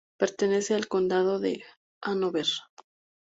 Pertenece al Condado de Hanover.